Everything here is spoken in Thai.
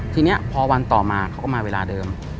ทีนี้พอวันต่อมาเขาก็มาเวลาเดิม